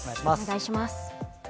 お願いします。